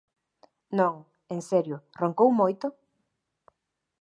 Non, en serio, roncou moito?